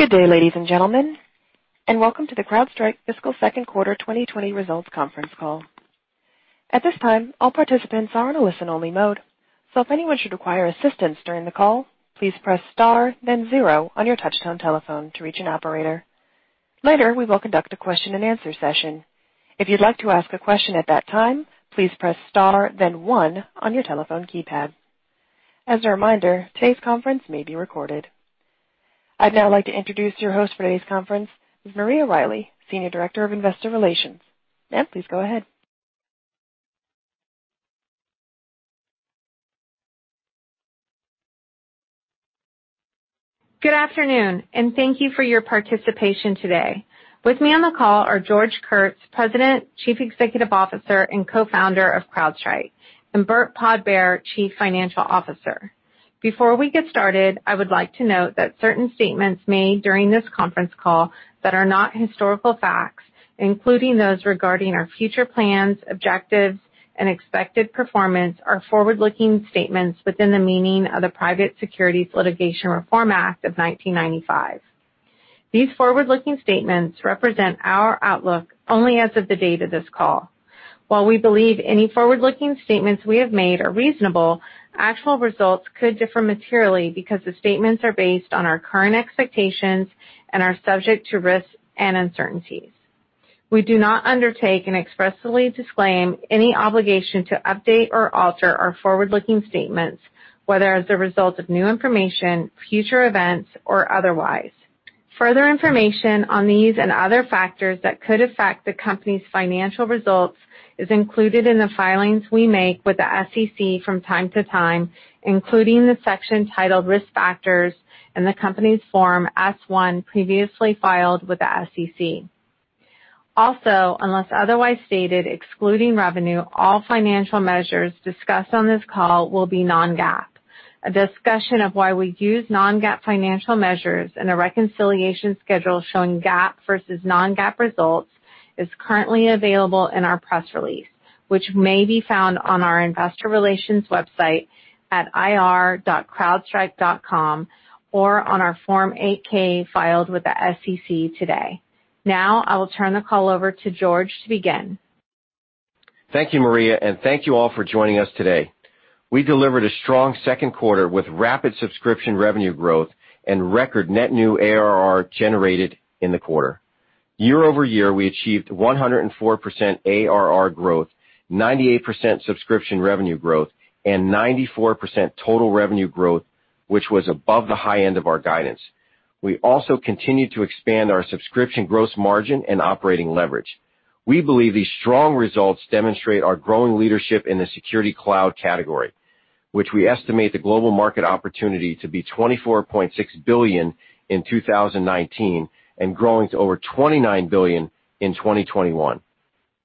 Good day, ladies and gentlemen, and welcome to the CrowdStrike Fiscal Second Quarter 2020 Results Conference Call. At this time, all participants are in a listen-only mode, so if anyone should require assistance during the call, please press star then zero on your touchtone telephone to reach an operator. Later, we will conduct a question and answer session. If you'd like to ask a question at that time, please press star then one on your telephone keypad. As a reminder, today's conference may be recorded. I'd now like to introduce your host for today's conference, Ms. Maria Riley, Senior Director of Investor Relations. Ma'am, please go ahead. Good afternoon, and thank you for your participation today. With me on the call are George Kurtz, President, Chief Executive Officer, and Co-Founder of CrowdStrike, and Burt Podbere, Chief Financial Officer. Before we get started, I would like to note that certain statements made during this conference call that are not historical facts, including those regarding our future plans, objectives, and expected performance, are forward-looking statements within the meaning of the Private Securities Litigation Reform Act of 1995. These forward-looking statements represent our outlook only as of the date of this call. While we believe any forward-looking statements we have made are reasonable, actual results could differ materially because the statements are based on our current expectations and are subject to risks and uncertainties. We do not undertake and expressly disclaim any obligation to update or alter our forward-looking statements, whether as a result of new information, future events, or otherwise. Further information on these and other factors that could affect the company's financial results is included in the filings we make with the SEC from time to time, including the section titled Risk Factors in the company's Form S-1 previously filed with the SEC. Also, unless otherwise stated, excluding revenue, all financial measures discussed on this call will be non-GAAP. A discussion of why we use non-GAAP financial measures and a reconciliation schedule showing GAAP versus non-GAAP results is currently available in our press release, which may be found on our investor relations website at ir.crowdstrike.com or on our Form 8-K filed with the SEC today. Now, I will turn the call over to George to begin. Thank you, Maria, and thank you all for joining us today. We delivered a strong second quarter with rapid subscription revenue growth and record net new ARR generated in the quarter. Year-over-year, we achieved 104% ARR growth, 98% subscription revenue growth, and 94% total revenue growth, which was above the high end of our guidance. We also continued to expand our subscription gross margin and operating leverage. We believe these strong results demonstrate our growing leadership in the security cloud category, which we estimate the global market opportunity to be $24.6 billion in 2019 and growing to over $29 billion in 2021.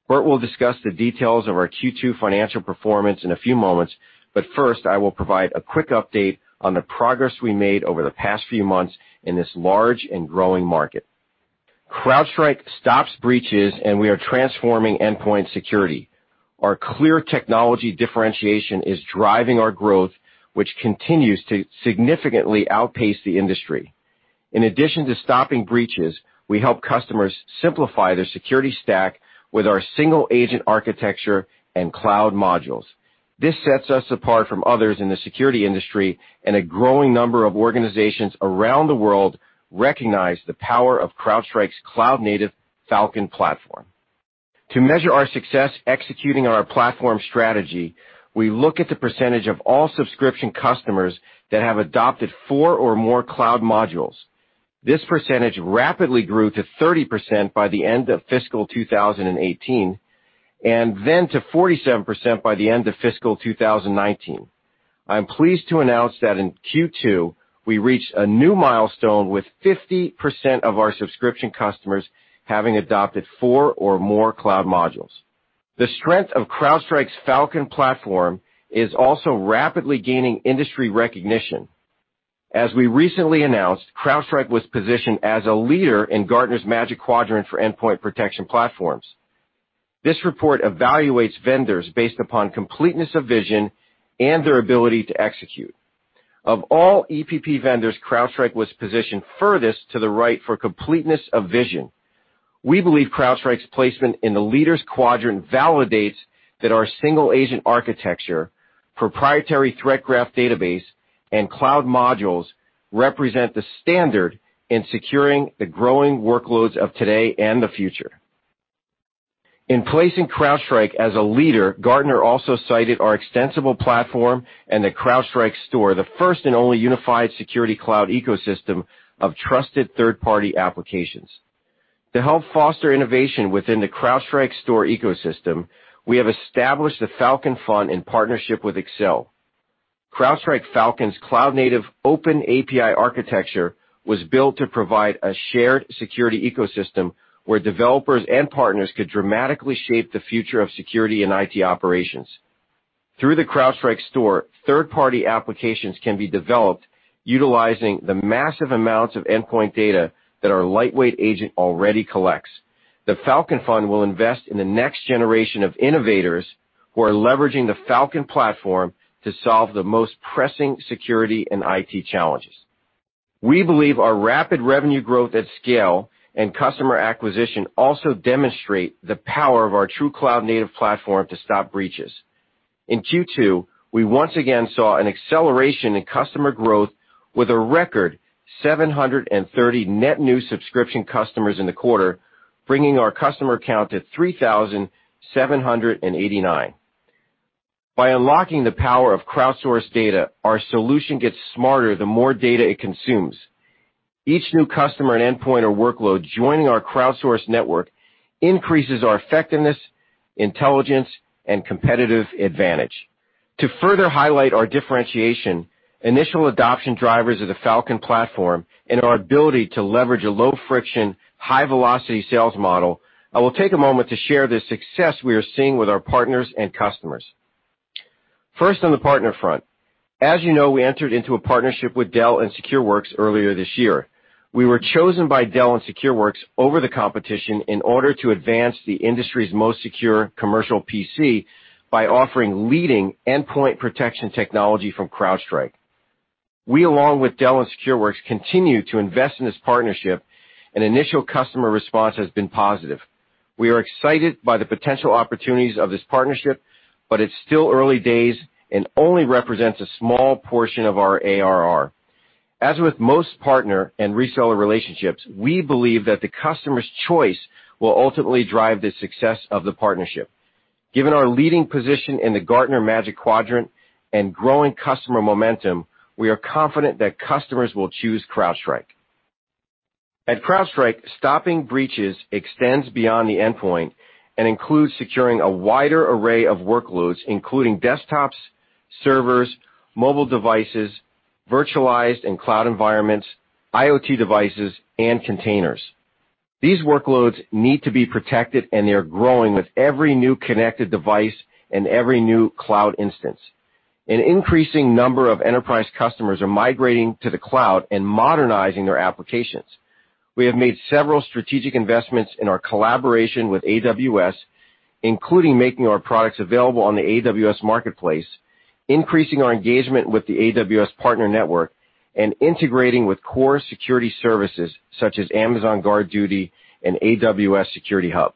Burt will discuss the details of our Q2 financial performance in a few moments, but first, I will provide a quick update on the progress we made over the past few months in this large and growing market. CrowdStrike stops breaches, and we are transforming endpoint security. Our clear technology differentiation is driving our growth, which continues to significantly outpace the industry. In addition to stopping breaches, we help customers simplify their security stack with our single-agent architecture and cloud modules. This sets us apart from others in the security industry, and a growing number of organizations around the world recognize the power of CrowdStrike's cloud-native Falcon platform. To measure our success executing our platform strategy, we look at the percentage of all subscription customers that have adopted four or more cloud modules. This percentage rapidly grew to 30% by the end of fiscal 2018 and then to 47% by the end of fiscal 2019. I am pleased to announce that in Q2, we reached a new milestone with 50% of our subscription customers having adopted four or more cloud modules. The strength of CrowdStrike's Falcon platform is also rapidly gaining industry recognition. As we recently announced, CrowdStrike was positioned as a leader in Gartner's Magic Quadrant for endpoint protection platforms. This report evaluates vendors based upon completeness of vision and their ability to execute. Of all EPP vendors, CrowdStrike was positioned furthest to the right for completeness of vision. We believe CrowdStrike's placement in the leaders quadrant validates that our single-agent architecture, proprietary Threat Graph database, and cloud modules represent the standard in securing the growing workloads of today and the future. In placing CrowdStrike as a leader, Gartner also cited our extensible platform and the CrowdStrike Store, the first and only unified security cloud ecosystem of trusted third-party applications. To help foster innovation within the CrowdStrike Store ecosystem, we have established the Falcon Fund in partnership with Accel. CrowdStrike Falcon's cloud-native open API architecture was built to provide a shared security ecosystem where developers and partners could dramatically shape the future of security and IT operations. Through the CrowdStrike Store, third-party applications can be developed utilizing the massive amounts of endpoint data that our lightweight agent already collects. The Falcon Fund will invest in the next generation of innovators who are leveraging the Falcon platform to solve the most pressing security and IT challenges. We believe our rapid revenue growth at scale and customer acquisition also demonstrate the power of our true cloud-native platform to stop breaches. In Q2, we once again saw an acceleration in customer growth with a record 730 net new subscription customers in the quarter, bringing our customer count to 3,789. By unlocking the power of crowdsourced data, our solution gets smarter the more data it consumes. Each new customer and endpoint or workload joining our crowdsourced network increases our effectiveness, intelligence, and competitive advantage. To further highlight our differentiation, initial adoption drivers of the Falcon platform, and our ability to leverage a low-friction, high-velocity sales model, I will take a moment to share the success we are seeing with our partners and customers. First on the partner front. As you know, we entered into a partnership with Dell and Secureworks earlier this year. We were chosen by Dell and Secureworks over the competition in order to advance the industry's most secure commercial PC by offering leading endpoint protection technology from CrowdStrike. We, along with Dell and Secureworks, continue to invest in this partnership, and initial customer response has been positive. We are excited by the potential opportunities of this partnership, but it's still early days and only represents a small portion of our ARR. As with most partner and reseller relationships, we believe that the customer's choice will ultimately drive the success of the partnership. Given our leading position in the Gartner Magic Quadrant and growing customer momentum, we are confident that customers will choose CrowdStrike. At CrowdStrike, stopping breaches extends beyond the endpoint and includes securing a wider array of workloads, including desktops, servers, mobile devices, virtualized and cloud environments, IoT devices, and containers. These workloads need to be protected, they are growing with every new connected device and every new cloud instance. An increasing number of enterprise customers are migrating to the cloud and modernizing their applications. We have made several strategic investments in our collaboration with AWS, including making our products available on the AWS Marketplace, increasing our engagement with the AWS partner network, and integrating with core security services such as Amazon GuardDuty and AWS Security Hub.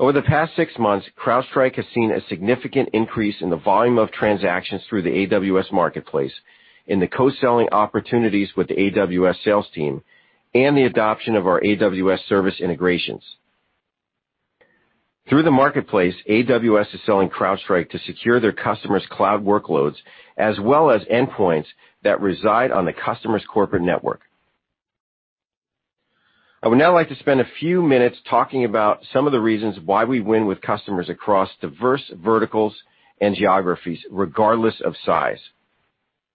Over the past six months, CrowdStrike has seen a significant increase in the volume of transactions through the AWS Marketplace in the co-selling opportunities with the AWS sales team and the adoption of our AWS service integrations. Through the marketplace, AWS is selling CrowdStrike to secure their customers' cloud workloads as well as endpoints that reside on the customer's corporate network. I would now like to spend a few minutes talking about some of the reasons why we win with customers across diverse verticals and geographies, regardless of size.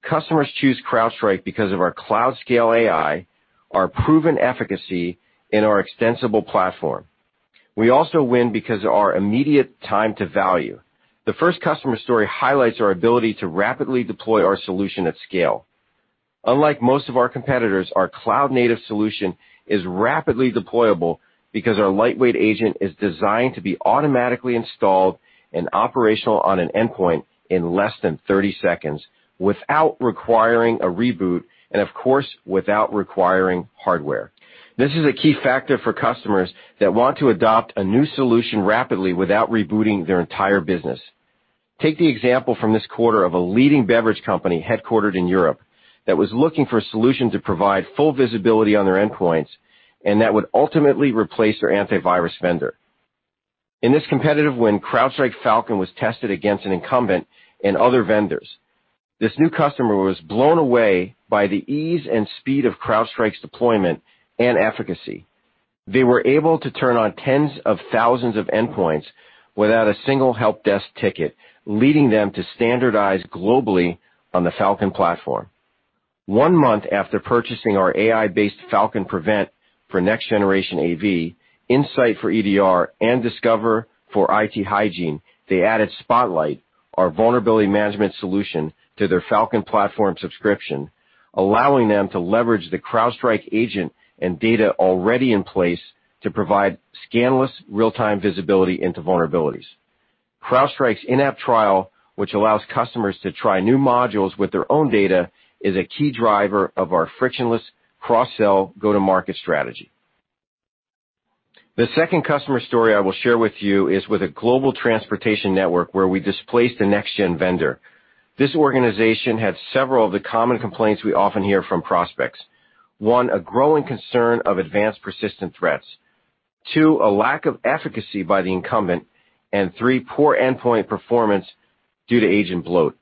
Customers choose CrowdStrike because of our cloud scale AI, our proven efficacy, and our extensible platform. We also win because of our immediate time to value. The first customer story highlights our ability to rapidly deploy our solution at scale. Unlike most of our competitors, our cloud-native solution is rapidly deployable because our lightweight agent is designed to be automatically installed and operational on one endpoint in less than 30 seconds without requiring a reboot and, of course, without requiring hardware. This is a key factor for customers that want to adopt a new solution rapidly without rebooting their entire business. Take the example from this quarter of a leading beverage company headquartered in Europe that was looking for a solution to provide full visibility on their endpoints and that would ultimately replace their antivirus vendor. In this competitive win, CrowdStrike Falcon was tested against an incumbent and other vendors. This new customer was blown away by the ease and speed of CrowdStrike's deployment and efficacy. They were able to turn on tens of thousands of endpoints without a single help desk ticket, leading them to standardize globally on the Falcon platform. One month after purchasing our AI-based Falcon Prevent for next-generation AV, Insight for EDR, and Discover for IT hygiene, they added Spotlight, our vulnerability management solution, to their Falcon platform subscription, allowing them to leverage the CrowdStrike agent and data already in place to provide scanless real-time visibility into vulnerabilities. CrowdStrike's in-app trial, which allows customers to try new modules with their own data, is a key driver of our frictionless cross-sell go-to-market strategy. The second customer story I will share with you is with a global transportation network where we displaced a next-gen vendor. This organization had several of the common complaints we often hear from prospects. One, a growing concern of advanced persistent threats. Two, a lack of efficacy by the incumbent. Three, poor endpoint performance due to agent bloat.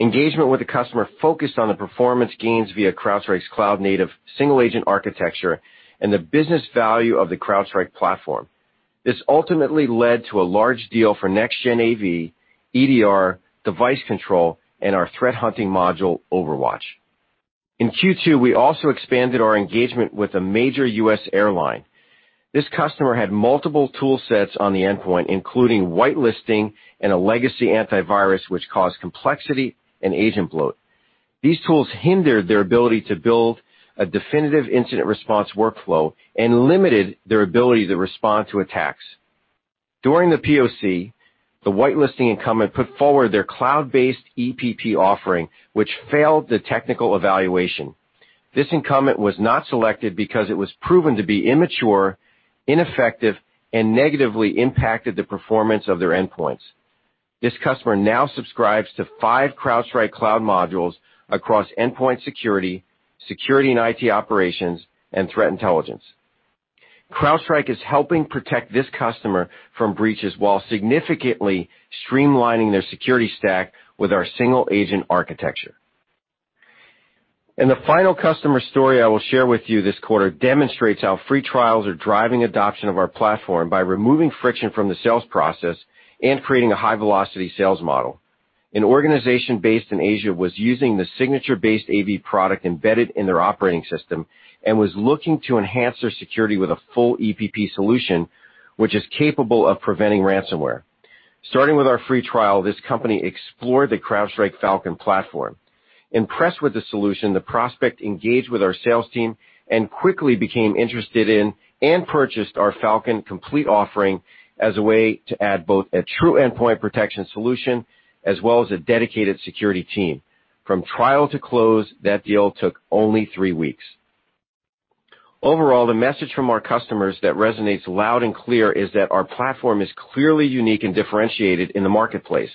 Engagement with the customer focused on the performance gains via CrowdStrike's cloud-native single-agent architecture and the business value of the CrowdStrike platform. This ultimately led to a large deal for next-gen AV, EDR, device control, and our threat hunting module, OverWatch. In Q2, we also expanded our engagement with a major U.S. airline. This customer had multiple tool sets on the endpoint, including whitelisting and a legacy antivirus, which caused complexity and agent bloat. These tools hindered their ability to build a definitive incident response workflow and limited their ability to respond to attacks. During the POC, the whitelisting incumbent put forward their cloud-based EPP offering, which failed the technical evaluation. This incumbent was not selected because it was proven to be immature, ineffective, and negatively impacted the performance of their endpoints. This customer now subscribes to five CrowdStrike cloud modules across endpoint security and IT operations, and threat intelligence. CrowdStrike is helping protect this customer from breaches while significantly streamlining their security stack with our single-agent architecture. The final customer story I will share with you this quarter demonstrates how free trials are driving adoption of our platform by removing friction from the sales process and creating a high-velocity sales model. An organization based in Asia was using the signature-based AV product embedded in their operating system and was looking to enhance their security with a full EPP solution, which is capable of preventing ransomware. Starting with our free trial, this company explored the CrowdStrike Falcon platform. Impressed with the solution, the prospect engaged with our sales team and quickly became interested in and purchased our Falcon Complete offering as a way to add both a true endpoint protection solution as well as a dedicated security team. From trial to close, that deal took only three weeks. Overall, the message from our customers that resonates loud and clear is that our platform is clearly unique and differentiated in the marketplace,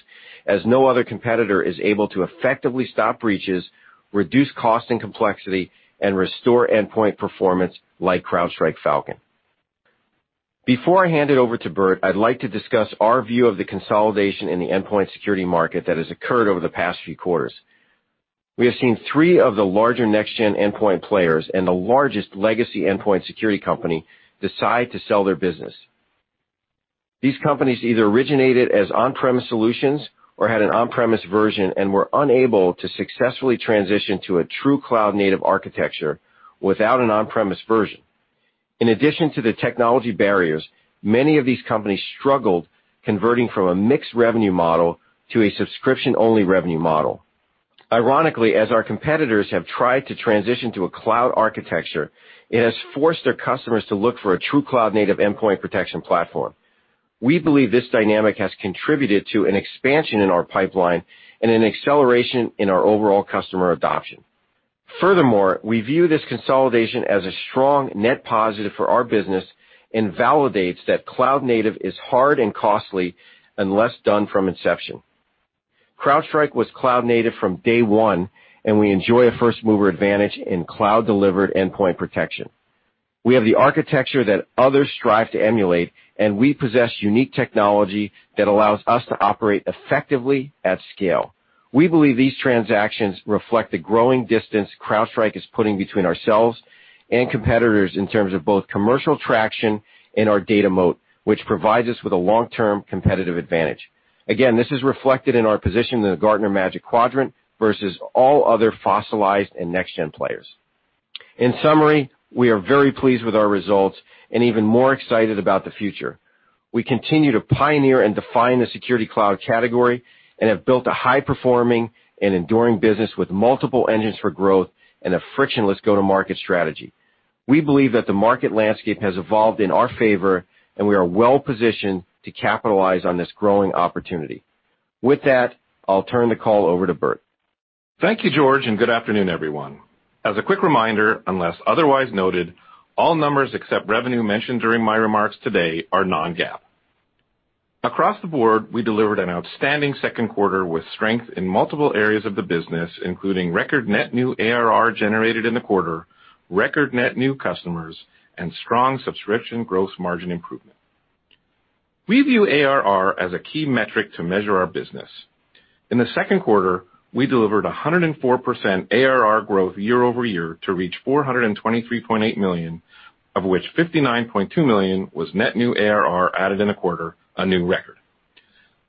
as no other competitor is able to effectively stop breaches, reduce cost and complexity, and restore endpoint performance like CrowdStrike Falcon. Before I hand it over to Burt, I'd like to discuss our view of the consolidation in the endpoint security market that has occurred over the past few quarters. We have seen three of the larger next-gen endpoint players and the largest legacy endpoint security company decide to sell their business. These companies either originated as on-premise solutions or had an on-premise version and were unable to successfully transition to a true cloud-native architecture without an on-premise version. In addition to the technology barriers, many of these companies struggled converting from a mixed revenue model to a subscription-only revenue model. Ironically, as our competitors have tried to transition to a cloud architecture, it has forced their customers to look for a true cloud-native endpoint protection platform. We believe this dynamic has contributed to an expansion in our pipeline and an acceleration in our overall customer adoption. Furthermore, we view this consolidation as a strong net positive for our business and validates that cloud native is hard and costly unless done from inception. CrowdStrike was cloud native from day one, and we enjoy a first-mover advantage in cloud-delivered endpoint protection. We have the architecture that others strive to emulate, and we possess unique technology that allows us to operate effectively at scale. We believe these transactions reflect the growing distance CrowdStrike is putting between ourselves and competitors in terms of both commercial traction and our data moat, which provides us with a long-term competitive advantage. Again, this is reflected in our position in the Gartner Magic Quadrant versus all other fossilized and next-gen players. In summary, we are very pleased with our results and even more excited about the future. We continue to pioneer and define the security cloud category and have built a high-performing and enduring business with multiple engines for growth and a frictionless go-to-market strategy. We believe that the market landscape has evolved in our favor, and we are well-positioned to capitalize on this growing opportunity. With that, I'll turn the call over to Burt. Thank you, George, and good afternoon, everyone. As a quick reminder, unless otherwise noted, all numbers except revenue mentioned during my remarks today are non-GAAP. Across the board, we delivered an outstanding second quarter with strength in multiple areas of the business, including record net new ARR generated in the quarter, record net new customers, and strong subscription gross margin improvement. We view ARR as a key metric to measure our business. In the second quarter, we delivered 104% ARR growth year-over-year to reach $423.8 million, of which $59.2 million was net new ARR added in a quarter, a new record.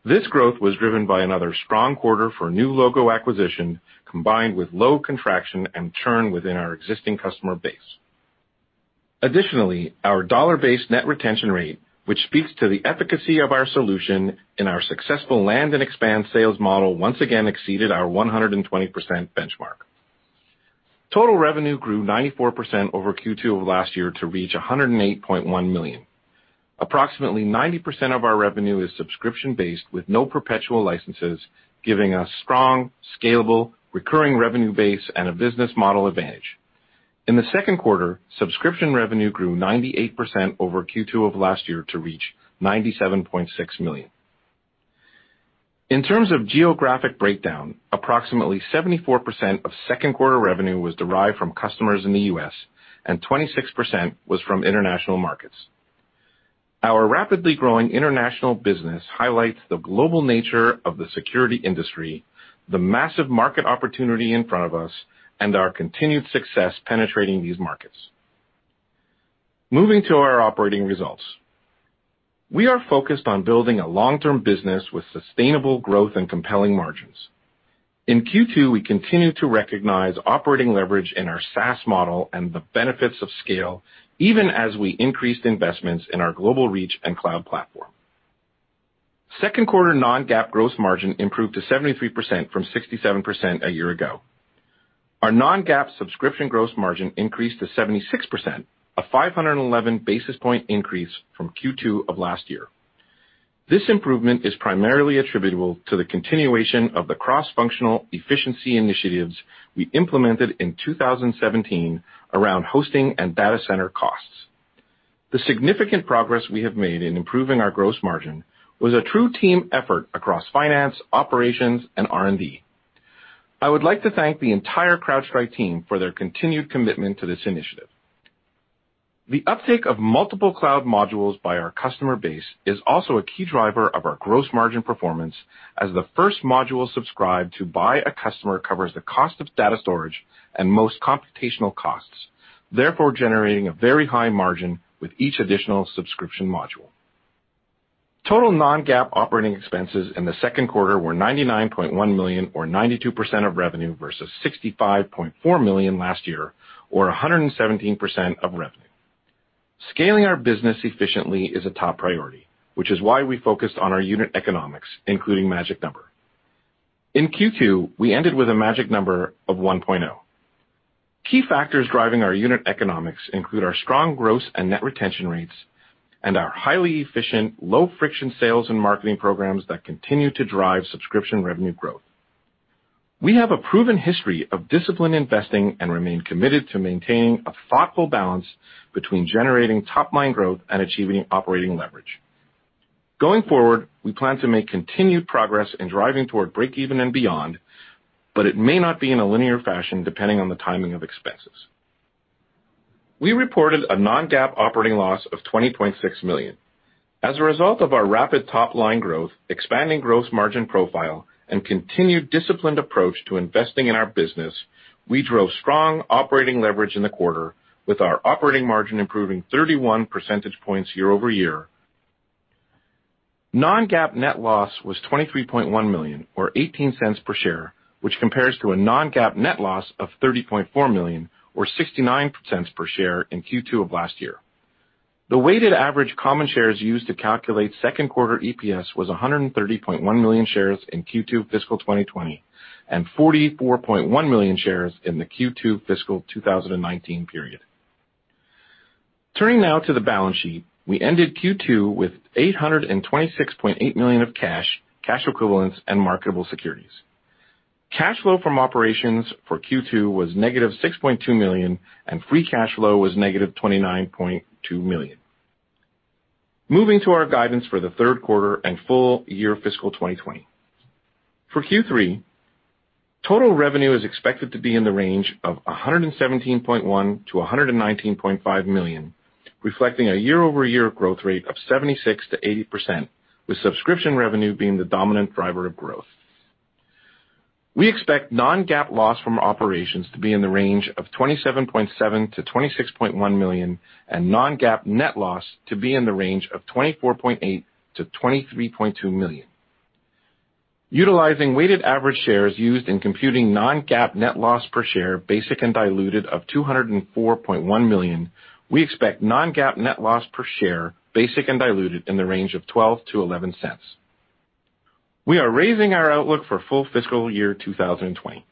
This growth was driven by another strong quarter for new logo acquisition, combined with low contraction and churn within our existing customer base. Additionally, our dollar-based net retention rate, which speaks to the efficacy of our solution and our successful land and expand sales model, once again exceeded our 120% benchmark. Total revenue grew 94% over Q2 of last year to reach $108.1 million. Approximately 90% of our revenue is subscription-based with no perpetual licenses, giving us strong, scalable, recurring revenue base and a business model advantage. In the second quarter, subscription revenue grew 98% over Q2 of last year to reach $97.6 million. In terms of geographic breakdown, approximately 74% of second quarter revenue was derived from customers in the U.S., and 26% was from international markets. Our rapidly growing international business highlights the global nature of the security industry, the massive market opportunity in front of us, and our continued success penetrating these markets. Moving to our operating results. We are focused on building a long-term business with sustainable growth and compelling margins. In Q2, we continued to recognize operating leverage in our SaaS model and the benefits of scale, even as we increased investments in our global reach and cloud platform. Second quarter non-GAAP gross margin improved to 73% from 67% a year ago. Our non-GAAP subscription gross margin increased to 76%, a 511 basis point increase from Q2 of last year. This improvement is primarily attributable to the continuation of the cross-functional efficiency initiatives we implemented in 2017 around hosting and data center costs. The significant progress we have made in improving our gross margin was a true team effort across finance, operations, and R&D. I would like to thank the entire CrowdStrike team for their continued commitment to this initiative. The uptake of multiple cloud modules by our customer base is also a key driver of our gross margin performance, as the first module subscribed to by a customer covers the cost of data storage and most computational costs, therefore generating a very high margin with each additional subscription module. Total non-GAAP operating expenses in the second quarter were $99.1 million, or 92% of revenue, versus $65.4 million last year, or 117% of revenue. Scaling our business efficiently is a top priority, which is why we focused on our unit economics, including magic number. In Q2, we ended with a magic number of 1.0. Key factors driving our unit economics include our strong gross and net retention rates and our highly efficient low-friction sales and marketing programs that continue to drive subscription revenue growth. We have a proven history of disciplined investing and remain committed to maintaining a thoughtful balance between generating top-line growth and achieving operating leverage. Going forward, we plan to make continued progress in driving toward breakeven and beyond, but it may not be in a linear fashion depending on the timing of expenses. We reported a non-GAAP operating loss of $20.6 million. As a result of our rapid top-line growth, expanding gross margin profile, and continued disciplined approach to investing in our business, we drove strong operating leverage in the quarter with our operating margin improving 31 percentage points year-over-year. Non-GAAP net loss was $23.1 million, or $0.18 per share, which compares to a non-GAAP net loss of $30.4 million or $0.69 per share in Q2 of last year. The weighted average common shares used to calculate second quarter EPS was 130.1 million shares in Q2 fiscal 2020, and 44.1 million shares in the Q2 fiscal 2019 period. Turning now to the balance sheet, we ended Q2 with $826.8 million of cash equivalents, and marketable securities. Cash flow from operations for Q2 was negative $6.2 million, and free cash flow was negative $29.2 million. Moving to our guidance for the third quarter and full year fiscal 2020. For Q3, total revenue is expected to be in the range of $117.1 million-$119.5 million, reflecting a year-over-year growth rate of 76%-80%, with subscription revenue being the dominant driver of growth. We expect non-GAAP loss from operations to be in the range of $27.7 million-$26.1 million and non-GAAP net loss to be in the range of $24.8 million-$23.2 million. Utilizing weighted average shares used in computing non-GAAP net loss per share, basic and diluted of 204.1 million, we expect non-GAAP net loss per share, basic and diluted, in the range of $0.12-$0.11. We are raising our outlook for full fiscal year 2020.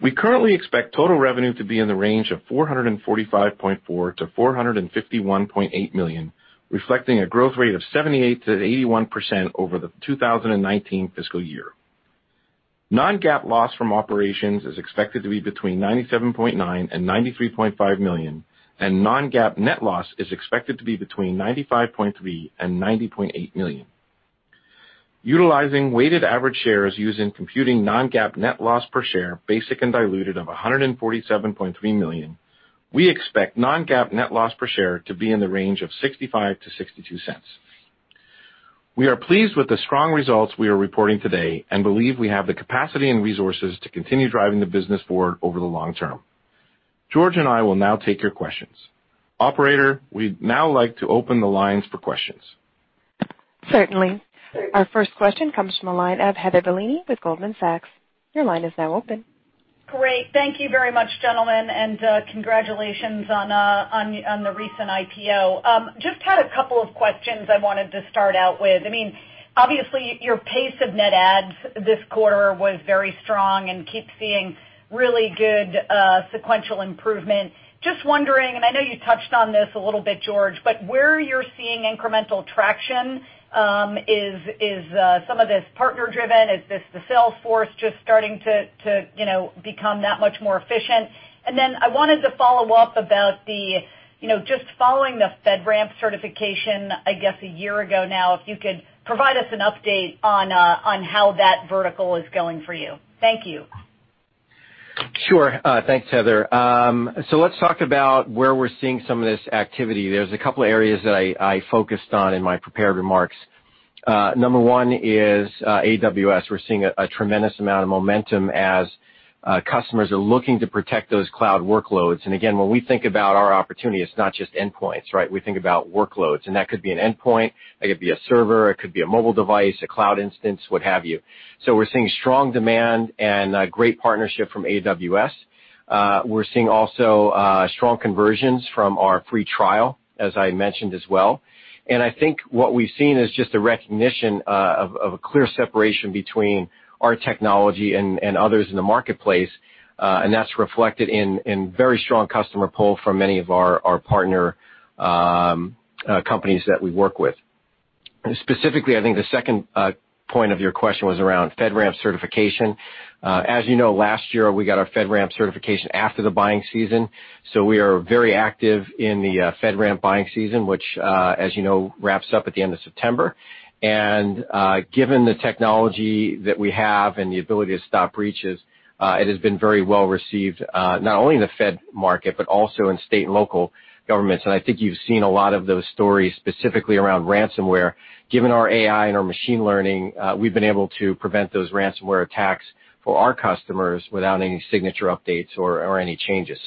We currently expect total revenue to be in the range of $445.4 million-$451.8 million, reflecting a growth rate of 78%-81% over the 2019 fiscal year. Non-GAAP loss from operations is expected to be between $97.9 million and $93.5 million, and non-GAAP net loss is expected to be between $95.3 million and $90.8 million. Utilizing weighted average shares used in computing non-GAAP net loss per share, basic and diluted of 147.3 million, we expect non-GAAP net loss per share to be in the range of $0.65-$0.62. We are pleased with the strong results we are reporting today and believe we have the capacity and resources to continue driving the business forward over the long term. George and I will now take your questions. Operator, we'd now like to open the lines for questions. Certainly. Our first question comes from the line of Heather Bellini with Goldman Sachs. Your line is now open. Great. Thank you very much, gentlemen, and congratulations on the recent IPO. Just had a couple of questions I wanted to start out with. Obviously, your pace of net adds this quarter was very strong and keep seeing really good sequential improvement. Just wondering, and I know you touched on this a little bit, George, but where you're seeing incremental traction, is some of this partner driven? Is this the sales force just starting to become that much more efficient? I wanted to follow up about just following the FedRAMP certification, I guess a year ago now, if you could provide us an update on how that vertical is going for you. Thank you. Sure. Thanks, Heather. Let's talk about where we're seeing some of this activity. There's a couple areas that I focused on in my prepared remarks. Number one is AWS. We're seeing a tremendous amount of momentum as customers are looking to protect those cloud workloads. Again, when we think about our opportunity, it's not just endpoints, right? We think about workloads, and that could be an endpoint, that could be a server, it could be a mobile device, a cloud instance, what have you. We're seeing strong demand and great partnership from AWS. We're seeing also strong conversions from our free trial, as I mentioned as well. I think what we've seen is just a recognition of a clear separation between our technology and others in the marketplace, and that's reflected in very strong customer pull from many of our partner companies that we work with. Specifically, I think the second point of your question was around FedRAMP certification. As you know, last year we got our FedRAMP certification after the buying season. We are very active in the FedRAMP buying season, which, as you know, wraps up at the end of September. Given the technology that we have and the ability to stop breaches, it has been very well received, not only in the Fed market, but also in state and local governments. I think you've seen a lot of those stories specifically around ransomware. Given our AI and our machine learning, we've been able to prevent those ransomware attacks for our customers without any signature updates or any changes.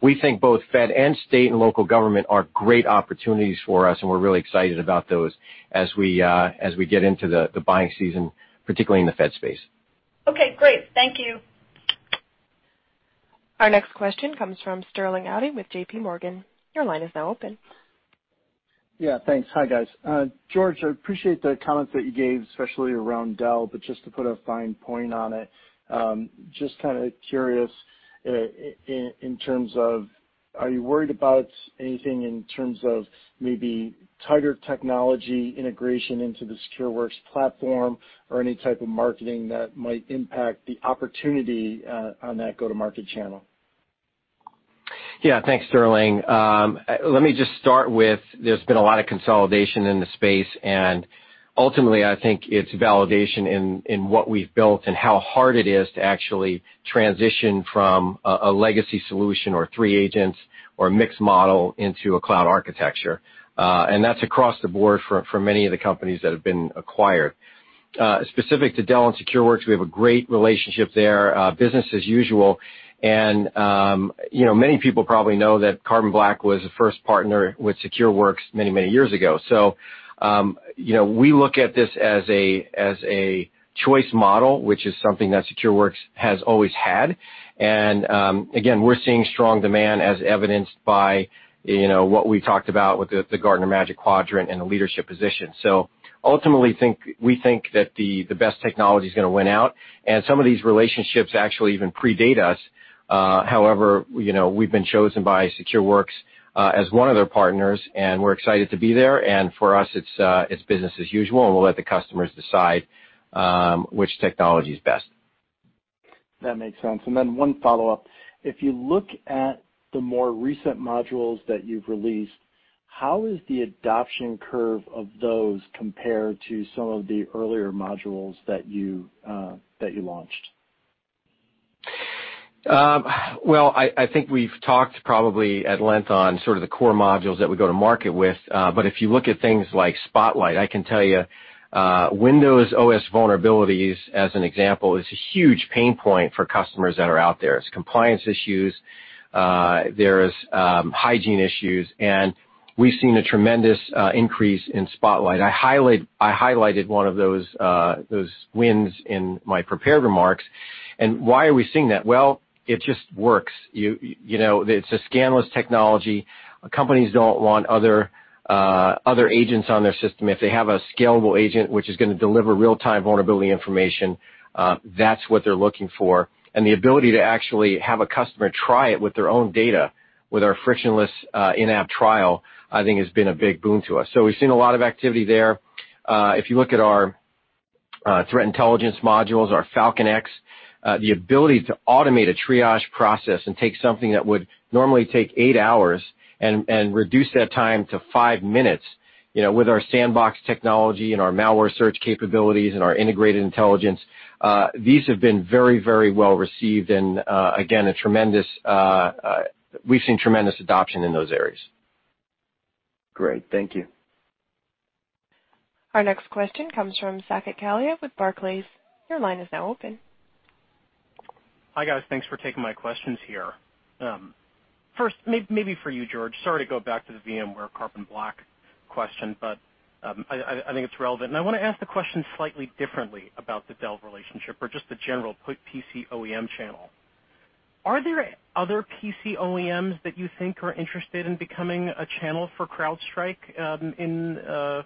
We think both Fed and state and local government are great opportunities for us, and we're really excited about those as we get into the buying season, particularly in the Fed space. Okay, great. Thank you. Our next question comes from Sterling Auty with JP Morgan. Your line is now open. Yeah, thanks. Hi, guys. George, I appreciate the comments that you gave, especially around Dell, but just to put a fine point on it, just kind of curious in terms of, are you worried about anything in terms of maybe tighter technology integration into the Secureworks platform or any type of marketing that might impact the opportunity on that go-to-market channel? Yeah. Thanks, Sterling. Let me just start with, there's been a lot of consolidation in the space, and ultimately, I think it's validation in what we've built and how hard it is to actually transition from a legacy solution or three agents or a mixed model into a cloud architecture. That's across the board for many of the companies that have been acquired. Specific to Dell and Secureworks, we have a great relationship there. Business as usual. Many people probably know that Carbon Black was the first partner with Secureworks many, many years ago. We look at this as a choice model, which is something that Secureworks has always had. Again, we're seeing strong demand, as evidenced by what we talked about with the Gartner Magic Quadrant and the leadership position. Ultimately, we think that the best technology is going to win out. Some of these relationships actually even predate us. However, we've been chosen by Secureworks as one of their partners, and we're excited to be there. For us, it's business as usual, and we'll let the customers decide which technology is best. That makes sense. Then one follow-up. If you look at the more recent modules that you've released, how is the adoption curve of those compared to some of the earlier modules that you launched? Well, I think we've talked probably at length on sort of the core modules that we go to market with. If you look at things like Spotlight, I can tell you Windows OS vulnerabilities, as an example, is a huge pain point for customers that are out there. It's compliance issues, there's hygiene issues, we've seen a tremendous increase in Spotlight. I highlighted one of those wins in my prepared remarks. Why are we seeing that? Well, it just works. It's a scan-less technology. Companies don't want other agents on their system. If they have a scalable agent, which is going to deliver real-time vulnerability information, that's what they're looking for. The ability to actually have a customer try it with their own data, with our frictionless in-app trial, I think has been a big boon to us. We've seen a lot of activity there. If you look at our threat intelligence modules, our Falcon X, the ability to automate a triage process and take something that would normally take eight hours and reduce that time to five minutes with our sandbox technology and our malware search capabilities and our integrated intelligence, these have been very, very well received and again, we've seen tremendous adoption in those areas. Great. Thank you. Our next question comes from Saket Kalia with Barclays. Your line is now open. Hi, guys. Thanks for taking my questions here. First, maybe for you, George. Sorry to go back to the VMware Carbon Black question, but I think it's relevant. I want to ask the question slightly differently about the Dell relationship or just the general PC OEM channel. Are there other PC OEMs that you think are interested in becoming a channel for CrowdStrike in the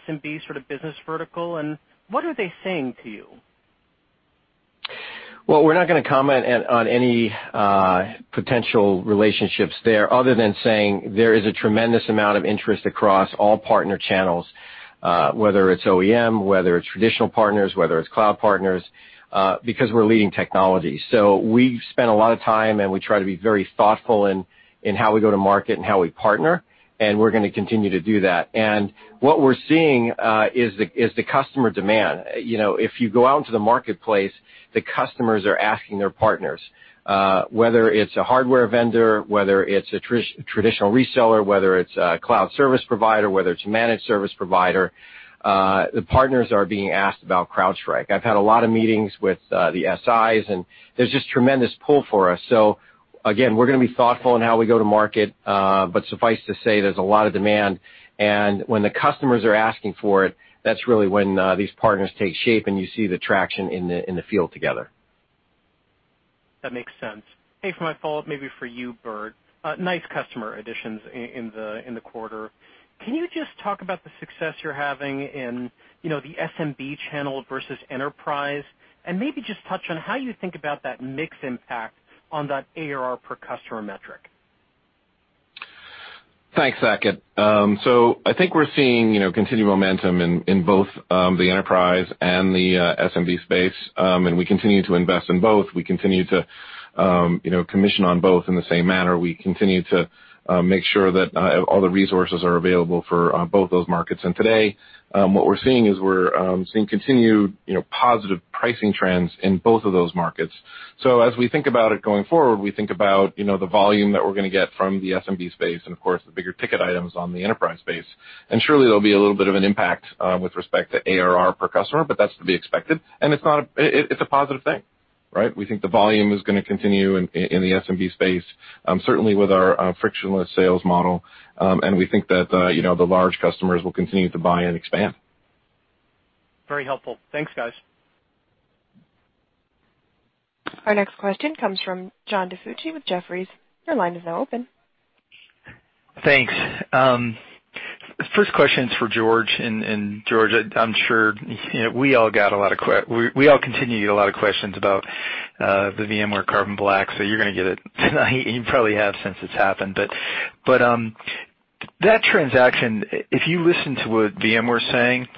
SMB sort of business vertical? What are they saying to you? We're not going to comment on any potential relationships there other than saying there is a tremendous amount of interest across all partner channels, whether it's OEM, whether it's traditional partners, whether it's cloud partners, because we're leading technology. We've spent a lot of time, and we try to be very thoughtful in how we go to market and how we partner, and we're going to continue to do that. What we're seeing is the customer demand. If you go out into the marketplace, the customers are asking their partners. Whether it's a hardware vendor, whether it's a traditional reseller, whether it's a cloud service provider, whether it's a managed service provider, the partners are being asked about CrowdStrike. I've had a lot of meetings with the SIs, and there's just tremendous pull for us. Again, we're going to be thoughtful in how we go to market, but suffice to say, there's a lot of demand. When the customers are asking for it, that's really when these partners take shape and you see the traction in the field together. That makes sense. Okay, for my follow-up, maybe for you, Burt. Nice customer additions in the quarter. Can you just talk about the success you're having in the SMB channel versus enterprise? Maybe just touch on how you think about that mix impact on that ARR per customer metric. Thanks, Saket. I think we're seeing continued momentum in both the enterprise and the SMB space. We continue to invest in both. We continue to commission on both in the same manner. We continue to make sure that all the resources are available for both those markets. Today, what we're seeing is we're seeing continued positive pricing trends in both of those markets. As we think about it going forward, we think about the volume that we're going to get from the SMB space and of course, the bigger ticket items on the enterprise space. Surely there'll be a little bit of an impact with respect to ARR per customer, but that's to be expected, and it's a positive thing, right? We think the volume is going to continue in the SMB space, certainly with our frictionless sales model. We think that the large customers will continue to buy and expand. Very helpful. Thanks, guys. Our next question comes from John DiFucci with Jefferies. Your line is now open. Thanks. First question is for George. George, I'm sure we all continue to get a lot of questions about the VMware Carbon Black, so you're going to get it. You probably have since it's happened. That transaction, if you listen to what VMware is saying,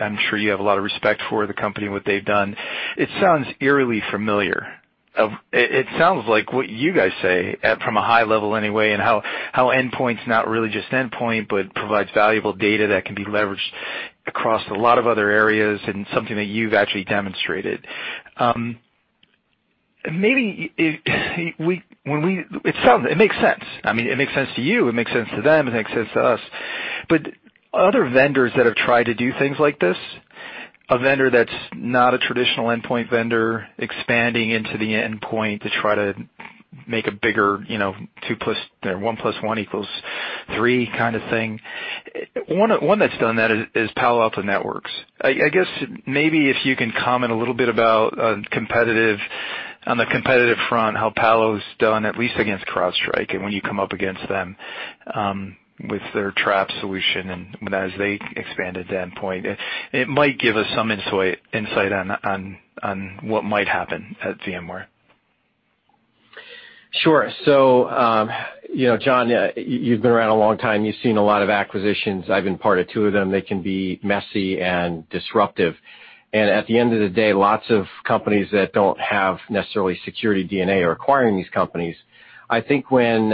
I'm sure you have a lot of respect for the company and what they've done, it sounds eerily familiar. It sounds like what you guys say from a high level anyway, and how endpoint's not really just endpoint, but provides valuable data that can be leveraged across a lot of other areas and something that you've actually demonstrated. It makes sense. I mean, it makes sense to you, it makes sense to them, it makes sense to us. Other vendors that have tried to do things like this, a vendor that's not a traditional endpoint vendor expanding into the endpoint to try to make a bigger one plus one equals three kind of thing. One that's done that is Palo Alto Networks. I guess maybe if you can comment a little bit about on the competitive front, how Palo's done, at least against CrowdStrike, and when you come up against them with their Traps solution and as they expand into endpoint. It might give us some insight on what might happen at VMware. Sure. John, you've been around a long time. You've seen a lot of acquisitions. I've been part of two of them. They can be messy and disruptive. At the end of the day, lots of companies that don't have necessarily security DNA are acquiring these companies. I think when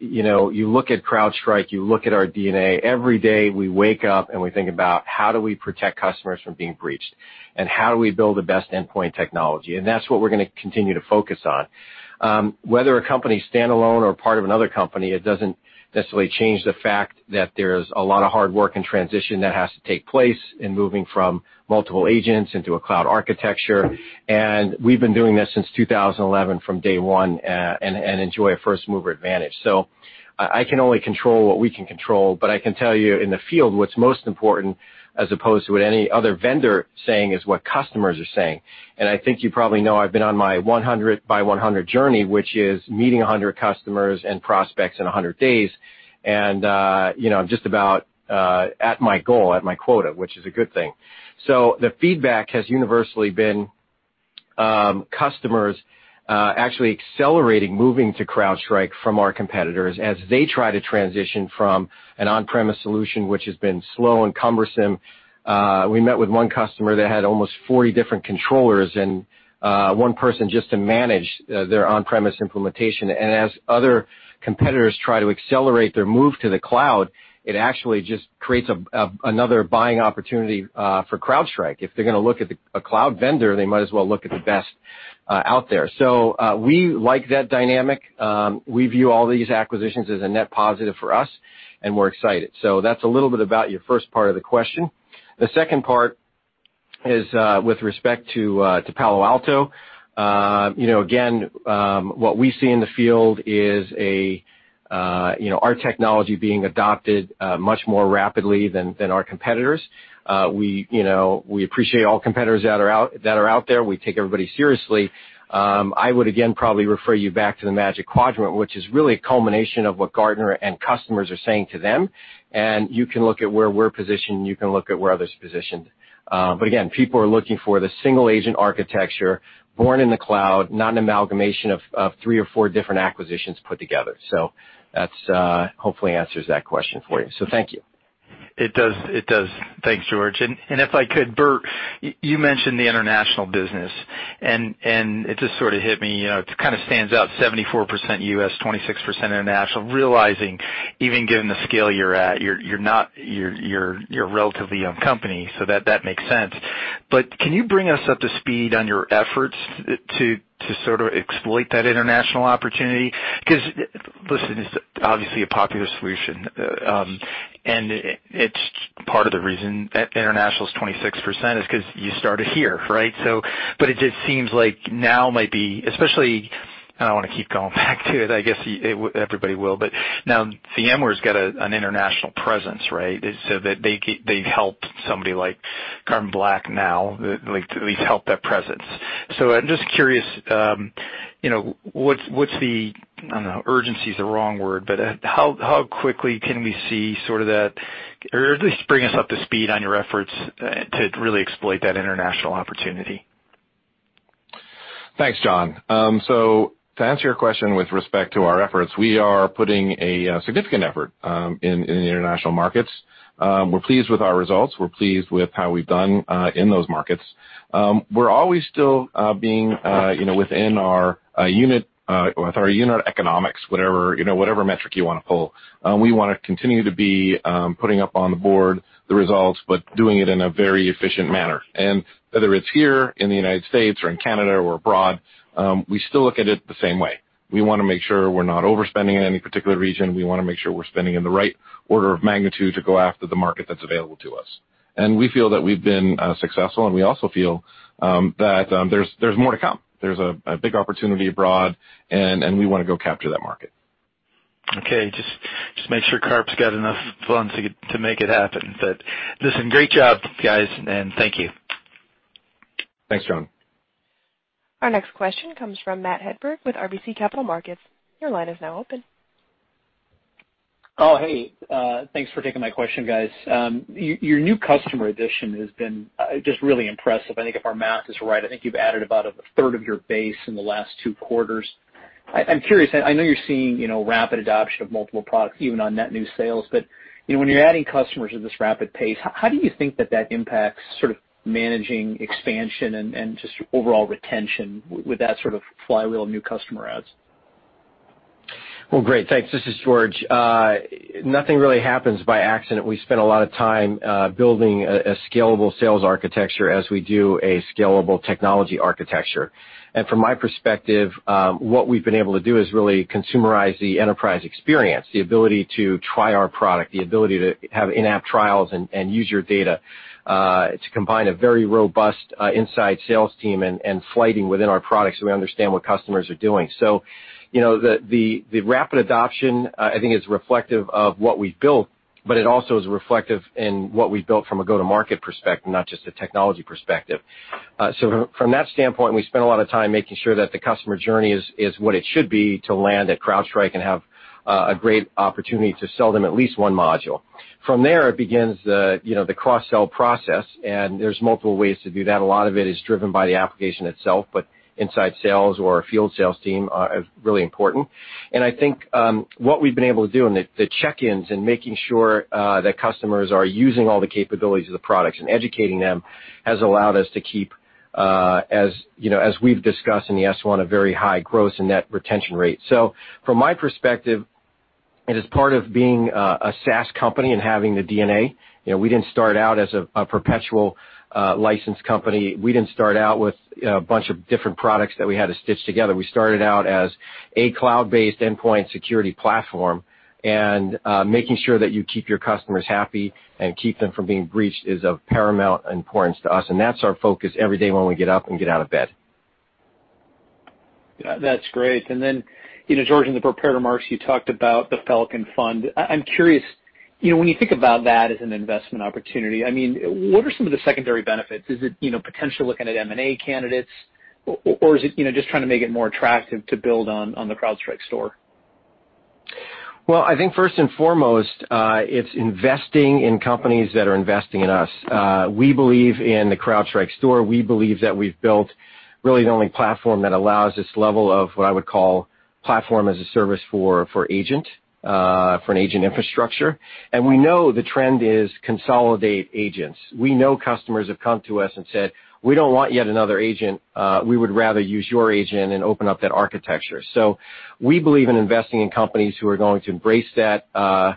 you look at CrowdStrike, you look at our DNA, every day we wake up and we think about how do we protect customers from being breached, and how do we build the best endpoint technology. That's what we're going to continue to focus on. Whether a company is standalone or part of another company, it doesn't necessarily change the fact that there's a lot of hard work and transition that has to take place in moving from multiple agents into a cloud architecture. We've been doing this since 2011 from day one and enjoy a first-mover advantage. I can only control what we can control, but I can tell you in the field, what's most important, as opposed to what any other vendor saying, is what customers are saying. I think you probably know I've been on my 100 by 100 journey, which is meeting 100 customers and prospects in 100 days. I'm just about at my goal, at my quota, which is a good thing. The feedback has universally been customers actually accelerating, moving to CrowdStrike from our competitors as they try to transition from an on-premise solution, which has been slow and cumbersome. We met with one customer that had almost 40 different controllers and one person just to manage their on-premise implementation. As other competitors try to accelerate their move to the cloud, it actually just creates another buying opportunity for CrowdStrike. If they're going to look at a cloud vendor, they might as well look at the best out there. We like that dynamic. We view all these acquisitions as a net positive for us, and we're excited. That's a little bit about your first part of the question. The second part is with respect to Palo Alto. What we see in the field is our technology being adopted much more rapidly than our competitors. We appreciate all competitors that are out there. We take everybody seriously. I would again probably refer you back to the Magic Quadrant, which is really a culmination of what Gartner and customers are saying to them. You can look at where we're positioned, and you can look at where others are positioned. Again, people are looking for the single-agent architecture born in the cloud, not an amalgamation of three or four different acquisitions put together. That hopefully answers that question for you. Thank you. It does. Thanks, George. If I could, Burt, you mentioned the international business, and it just sort of hit me. It kind of stands out 74% U.S., 26% international, realizing even given the scale you're at, you're a relatively young company, so that makes sense. Can you bring us up to speed on your efforts to sort of exploit that international opportunity? Listen, it's obviously a popular solution. It's part of the reason international is 26% is because you started here, right? It just seems like now might be, especially. I want to keep going back to it. I guess everybody will, now VMware's got an international presence, right? They've helped somebody like Carbon Black now, at least helped that presence. I'm just curious, I don't know, urgency is the wrong word, but how quickly can we see sort of that, or at least bring us up to speed on your efforts to really exploit that international opportunity? Thanks, John. To answer your question with respect to our efforts, we are putting a significant effort in the international markets. We're pleased with our results. We're pleased with how we've done in those markets. We're always still being within our unit economics, whatever metric you want to pull. We want to continue to be putting up on the board the results, but doing it in a very efficient manner. Whether it's here in the U.S. or in Canada or abroad, we still look at it the same way. We want to make sure we're not overspending in any particular region. We want to make sure we're spending in the right order of magnitude to go after the market that's available to us. We feel that we've been successful, and we also feel that there's more to come. There's a big opportunity abroad. We want to go capture that market. Okay, just make sure Kurtz got enough funds to make it happen. Listen, great job, guys, and thank you. Thanks, John. Our next question comes from Matthew Hedberg with RBC Capital Markets. Your line is now open. Oh, hey. Thanks for taking my question, guys. Your new customer addition has been just really impressive. I think if our math is right, I think you've added about a third of your base in the last two quarters. I'm curious, I know you're seeing rapid adoption of multiple products, even on net new sales, but when you're adding customers at this rapid pace, how do you think that that impacts sort of managing expansion and just overall retention with that sort of flywheel of new customer adds? Well, great. Thanks. This is George. Nothing really happens by accident. We spent a lot of time building a scalable sales architecture as we do a scalable technology architecture. From my perspective, what we've been able to do is really consumerize the enterprise experience, the ability to try our product, the ability to have in-app trials and use your data to combine a very robust inside sales team and flighting within our products so we understand what customers are doing. The rapid adoption, I think, is reflective of what we've built, but it also is reflective in what we've built from a go-to-market perspective, not just a technology perspective. From that standpoint, we spent a lot of time making sure that the customer journey is what it should be to land at CrowdStrike and have a great opportunity to sell them at least one module. From there, it begins the cross-sell process. There's multiple ways to do that. A lot of it is driven by the application itself. Inside sales or our field sales team are really important. I think what we've been able to do, and the check-ins and making sure that customers are using all the capabilities of the products and educating them, has allowed us to keep, as we've discussed in the S1, a very high gross and net retention rate. From my perspective, it is part of being a SaaS company and having the DNA. We didn't start out as a perpetual license company. We didn't start out with a bunch of different products that we had to stitch together. We started out as a cloud-based endpoint security platform. Making sure that you keep your customers happy and keep them from being breached is of paramount importance to us. That's our focus every day when we get up and get out of bed. That's great. George, in the prepared remarks, you talked about the Falcon Fund. I'm curious, when you think about that as an investment opportunity, what are some of the secondary benefits? Is it potentially looking at M&A candidates, or is it just trying to make it more attractive to build on the CrowdStrike Store? I think first and foremost, it's investing in companies that are investing in us. We believe in the CrowdStrike Store. We believe that we've built really the only platform that allows this level of what I would call platform as a service for an agent infrastructure. We know the trend is consolidate agents. We know customers have come to us and said, "We don't want yet another agent. We would rather use your agent and open up that architecture." We believe in investing in companies who are going to embrace the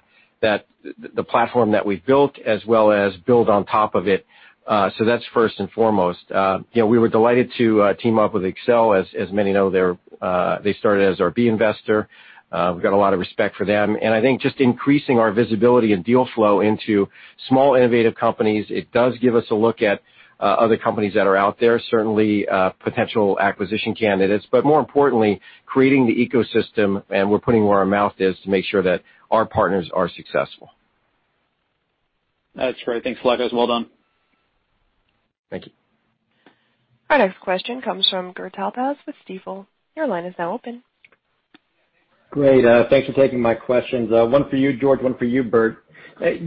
platform that we've built as well as build on top of it. That's first and foremost. We were delighted to team up with Accel. Many know, they started as our B investor. We've got a lot of respect for them, and I think just increasing our visibility and deal flow into small, innovative companies, it does give us a look at other companies that are out there, certainly potential acquisition candidates, but more importantly, creating the ecosystem, and we're putting where our mouth is to make sure that our partners are successful. That's great. Thanks a lot, guys. Well done. Thank you. Our next question comes from Gur Talpaz with Stifel. Your line is now open. Great. Thanks for taking my questions. One for you, George, one for you, Burt.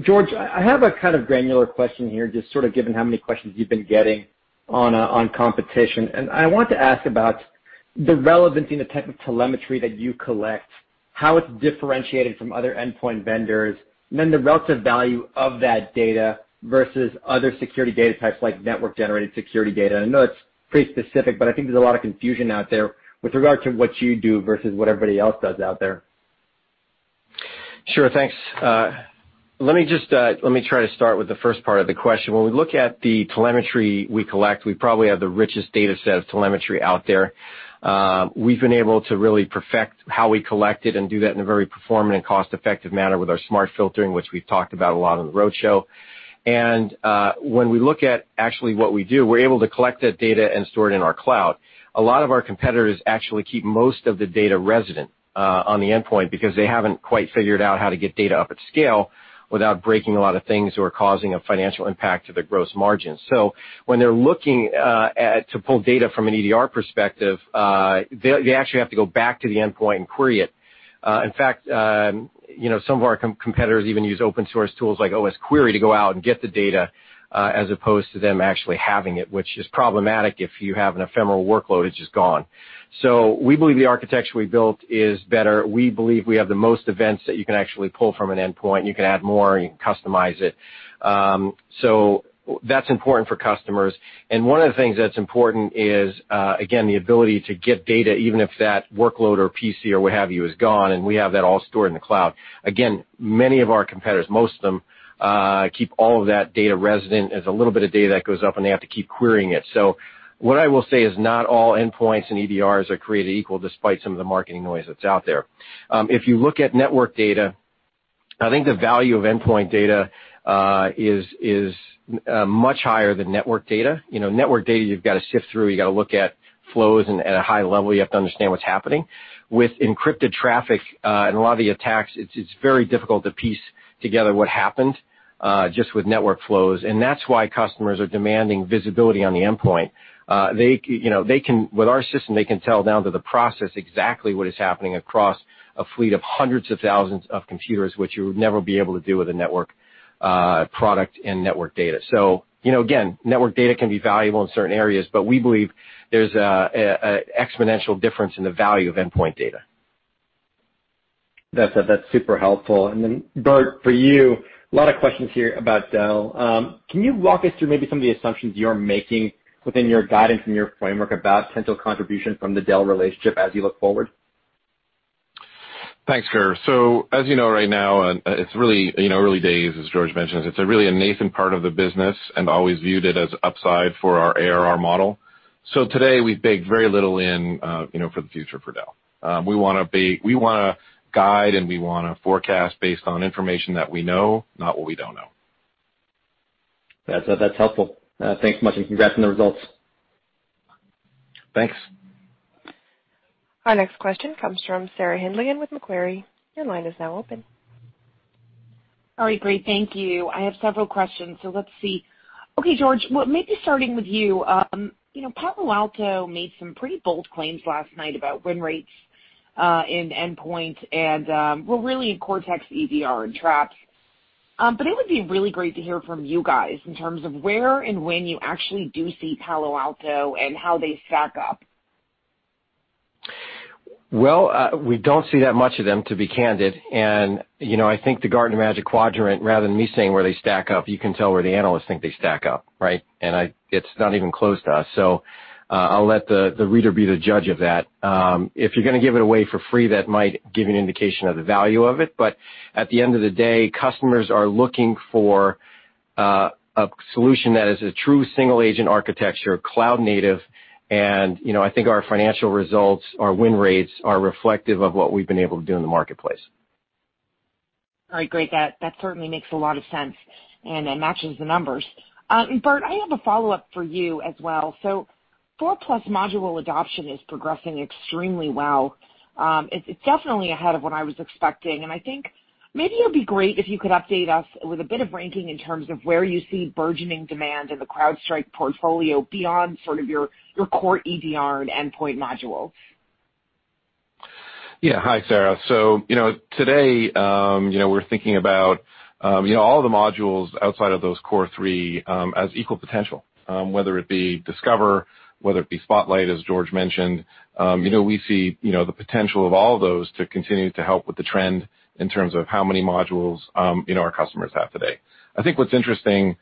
George, I have a kind of granular question here, just sort of given how many questions you've been getting on competition. I want to ask about the relevancy and the type of telemetry that you collect, how it's differentiated from other endpoint vendors, and then the relative value of that data versus other security data types like network-generated security data. I know it's pretty specific, I think there's a lot of confusion out there with regard to what you do versus what everybody else does out there. Sure, thanks. Let me try to start with the first part of the question. When we look at the telemetry we collect, we probably have the richest data set of telemetry out there. We've been able to really perfect how we collect it and do that in a very performant and cost-effective manner with our smart filtering, which we've talked about a lot on the roadshow. When we look at actually what we do, we're able to collect that data and store it in our cloud. A lot of our competitors actually keep most of the data resident on the endpoint because they haven't quite figured out how to get data up at scale without breaking a lot of things or causing a financial impact to their gross margin. When they're looking to pull data from an EDR perspective, they actually have to go back to the endpoint and query it. In fact, some of our competitors even use open-source tools like osquery to go out and get the data, as opposed to them actually having it, which is problematic if you have an ephemeral workload, it's just gone. We believe the architecture we built is better. We believe we have the most events that you can actually pull from an endpoint. You can add more, and you can customize it. That's important for customers. One of the things that's important is, again, the ability to get data, even if that workload or PC or what have you, is gone, and we have that all stored in the cloud. Many of our competitors, most of them, keep all of that data resident as a little bit of data that goes up, and they have to keep querying it. What I will say is not all endpoints and EDRs are created equal, despite some of the marketing noise that's out there. If you look at network data, I think the value of endpoint data is much higher than network data. Network data, you've got to sift through, you've got to look at flows, and at a high level, you have to understand what's happening. With encrypted traffic, in a lot of the attacks, it's very difficult to piece together what happened just with network flows. That's why customers are demanding visibility on the endpoint. With our system, they can tell down to the process exactly what is happening across a fleet of hundreds of thousands of computers, which you would never be able to do with a network product and network data. Again, network data can be valuable in certain areas, but we believe there's an exponential difference in the value of endpoint data. That's super helpful. Burt, for you, a lot of questions here about Dell. Can you walk us through maybe some of the assumptions you're making within your guidance and your framework about potential contribution from the Dell relationship as you look forward? Thanks, Gur. As you know right now, it's really early days, as George mentioned. It's really a nascent part of the business and always viewed it as upside for our ARR model. Today, we've baked very little in for the future for Dell. We want to guide, and we want to forecast based on information that we know, not what we don't know. That's helpful. Thanks much. Congrats on the results. Thanks. Our next question comes from Sarah Hindlian-Bowler with Macquarie. Your line is now open. All right, great. Thank you. I have several questions, so let's see. Okay, George, well, maybe starting with you. Palo Alto made some pretty bold claims last night about win rates in endpoint and, well, really in Cortex EDR and Traps. It would be really great to hear from you guys in terms of where and when you actually do see Palo Alto and how they stack up. We don't see that much of them, to be candid. I think the Gartner Magic Quadrant, rather than me saying where they stack up, you can tell where the analysts think they stack up, right? It's not even close to us. I'll let the reader be the judge of that. If you're going to give it away for free, that might give you an indication of the value of it. At the end of the day, customers are looking for a solution that is a true single-agent architecture, cloud native, and I think our financial results, our win rates, are reflective of what we've been able to do in the marketplace. All right, great. That certainly makes a lot of sense and matches the numbers. Burt, I have a follow-up for you as well. Four-plus module adoption is progressing extremely well. It's definitely ahead of what I was expecting, and I think maybe it would be great if you could update us with a bit of ranking in terms of where you see burgeoning demand in the CrowdStrike portfolio beyond sort of your core EDR and endpoint modules. Yeah. Hi, Sarah. Today, we're thinking about all the modules outside of those core three as equal potential, whether it be Discover, whether it be Spotlight, as George mentioned. We see the potential of all of those to continue to help with the trend in terms of how many modules our customers have today. I think what's interesting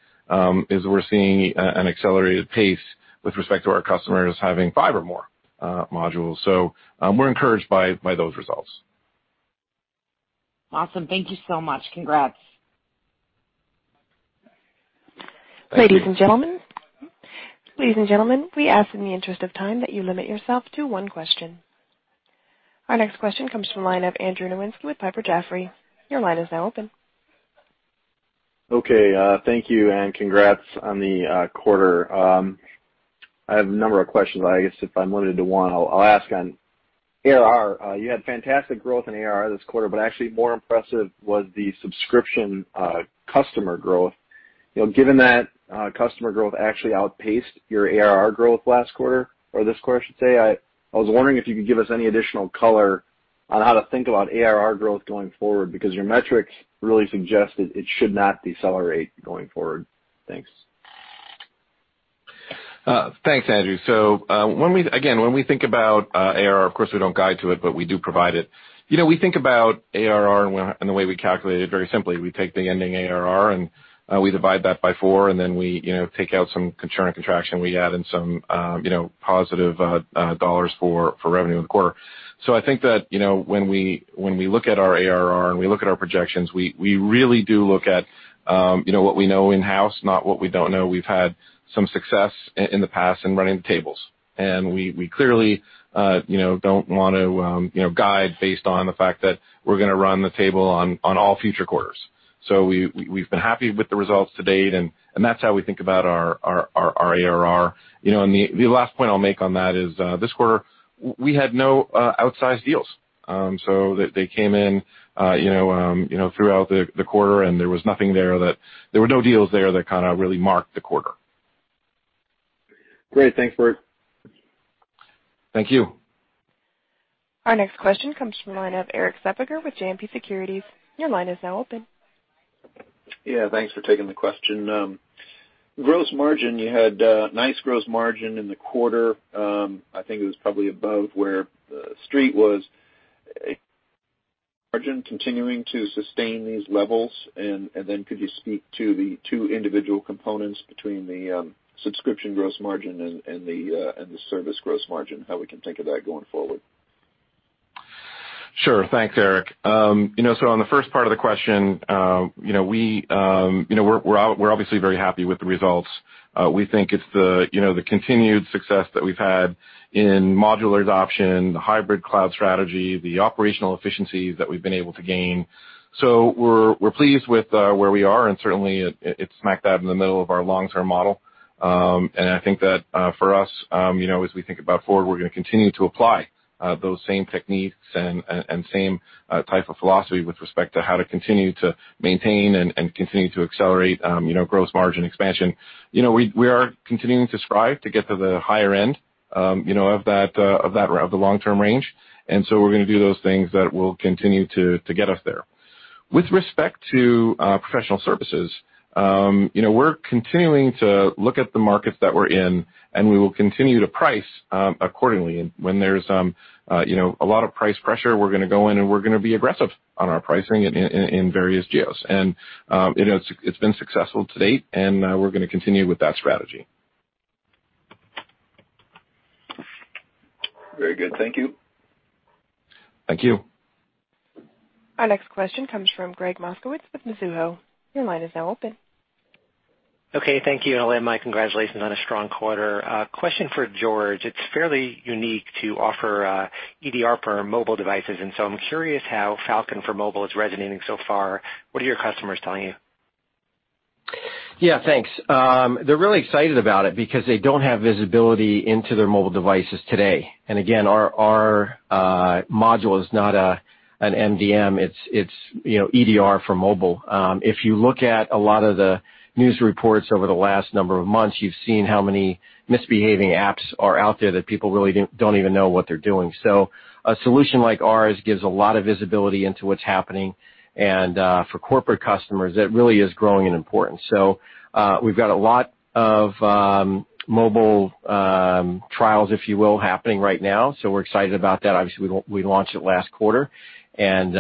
is we're seeing an accelerated pace with respect to our customers having five or more modules. We're encouraged by those results. Awesome. Thank you so much. Congrats. Thank you. Ladies and gentlemen, we ask in the interest of time that you limit yourself to one question. Our next question comes from the line of Andrew Nowinski with Piper Jaffray. Your line is now open. Okay, thank you, and congrats on the quarter. I have a number of questions. I guess if I'm limited to one, I'll ask on ARR. You had fantastic growth in ARR this quarter. Actually more impressive was the subscription customer growth. Given that customer growth actually outpaced your ARR growth last quarter, or this quarter I should say, I was wondering if you could give us any additional color on how to think about ARR growth going forward, because your metrics really suggest that it should not decelerate going forward. Thanks. Thanks, Andrew. Again, when we think about ARR, of course, we don't guide to it, but we do provide it. We think about ARR and the way we calculate it very simply. We take the ending ARR, and we divide that by four, and then we take out some churn and contraction. We add in some positive dollars for revenue in the quarter. I think that when we look at our ARR and we look at our projections, we really do look at what we know in-house, not what we don't know. We've had some success in the past in running the tables, and we clearly don't want to guide based on the fact that we're going to run the table on all future quarters. We've been happy with the results to date, and that's how we think about our ARR. The last point I'll make on that is this quarter we had no outsized deals. They came in throughout the quarter and there were no deals there that kind of really marked the quarter. Great. Thanks, Burt. Thank you. Our next question comes from the line of Erik Suppiger with JMP Securities. Your line is now open. Yeah. Thanks for taking the question. Gross margin, you had a nice gross margin in the quarter. I think it was probably above where the street was. Margin continuing to sustain these levels? Could you speak to the two individual components between the subscription gross margin and the service gross margin, how we can think of that going forward? Sure. Thanks, Erik. On the first part of the question, we're obviously very happy with the results. We think it's the continued success that we've had in modular adoption, the hybrid cloud strategy, the operational efficiencies that we've been able to gain. We're pleased with where we are, and certainly it's smack dab in the middle of our long-term model. I think that for us as we think about forward, we're going to continue to apply those same techniques and same type of philosophy with respect to how to continue to maintain and continue to accelerate gross margin expansion. We are continuing to strive to get to the higher end of the long-term range. We're going to do those things that will continue to get us there. With respect to professional services, we're continuing to look at the markets that we're in, and we will continue to price accordingly. When there's a lot of price pressure, we're going to go in and we're going to be aggressive on our pricing in various geos. It's been successful to date, and we're going to continue with that strategy. Very good. Thank you. Thank you. Our next question comes from Gregg Moskowitz with Mizuho. Your line is now open. Okay. Thank you. I'll end my congratulations on a strong quarter. Question for George. It's fairly unique to offer EDR for mobile devices. I'm curious how Falcon for Mobile is resonating so far. What are your customers telling you? Yeah, thanks. They're really excited about it because they don't have visibility into their mobile devices today. Again, our module is not an MDM, it's EDR for mobile. If you look at a lot of the news reports over the last number of months, you've seen how many misbehaving apps are out there that people really don't even know what they're doing. A solution like ours gives a lot of visibility into what's happening, and for corporate customers, it really is growing in importance. We've got a lot of mobile trials, if you will, happening right now. We're excited about that. Obviously, we launched it last quarter, and